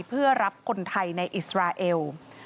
เพื่อรับคนไทยในอิสราเอล